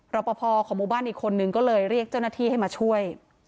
รอปภของหมู่บ้านอีกคนนึงก็เลยเรียกเจ้าหน้าที่ให้มาช่วย